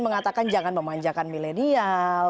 mengatakan jangan memanjakan milenial